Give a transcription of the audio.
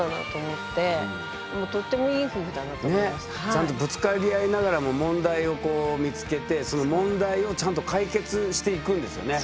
ちゃんとぶつかり合いながらも問題を見つけてその問題をちゃんと解決していくんですよね。